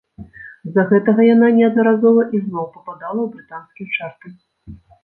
З-за гэтага яна неаднаразова ізноў пападала ў брытанскія чарты.